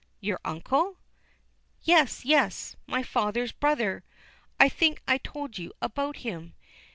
"Your uncle?" "Yes, yes. My father's brother. I think I told you about him.